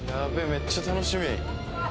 めっちゃ楽しみうわ